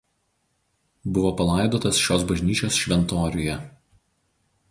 Buvo palaidotas šios bažnyčios šventoriuje.